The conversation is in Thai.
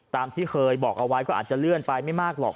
ตามที่เคยบอกเอาไว้ก็อาจจะเลื่อนไปไม่มากหรอก